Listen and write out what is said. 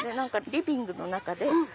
リビングの中で。